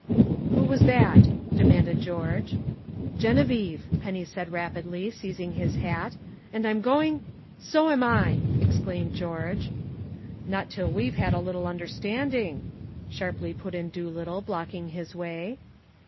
"Who was that?" demanded George. "Geneviève," Penny said rapidly, seizing his hat, "and I'm going " "So am I!" exclaimed George. "Not till we've had a little understanding," sharply put in Doolittle, blocking his way.